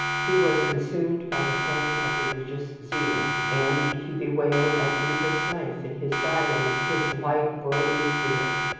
He was consumed by the flame of religious zeal, and he bewailed at grievous length, in his diary, his "light, worldly spirit."